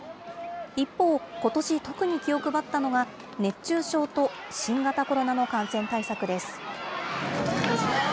一方、ことし特に気を配ったのが、熱中症と新型コロナの感染対策です。